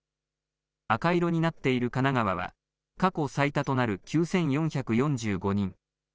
赤色になっている神奈川は、過去最多となる９４４５人。